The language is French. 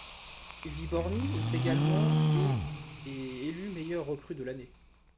Výborný est également et est élu meilleure recrue de l'année.